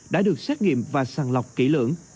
đã được xét nghiệm và sàng lọc kỹ lưỡng